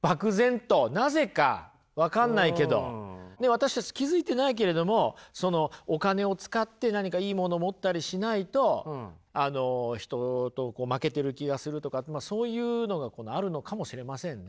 私たち気付いてないけれどもそのお金を使って何かいいもの持ったりしないとあの人と負けてる気がするとかまあそういうのがあるのかもしれませんね。